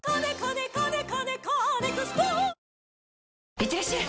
いってらっしゃい！